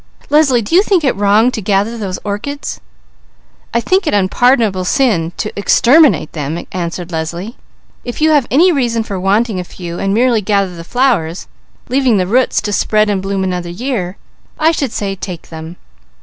"Leslie, do you think it wrong to gather those orchids?" "I think it unpardonable sin to exterminate them," answered Leslie. "If you have any reason for wanting a few, and merely gather the flowers, leaving the roots to spread and bloom another year, I should say take them."